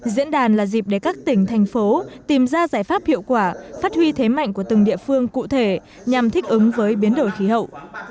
diễn đàn là dịp để các tỉnh thành phố tìm ra giải pháp hiệu quả phát huy thế mạnh của từng địa phương cụ thể nhằm thích ứng với biến đổi khí hậu